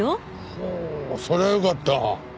ほうそれはよかった。